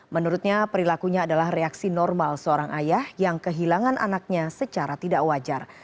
menurutnya perilakunya adalah reaksi normal seorang ayah yang kehilangan anaknya secara tidak wajar